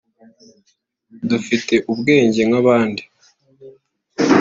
dufite ubwenge nk’abandi